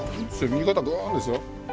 右肩ぐーんですよ。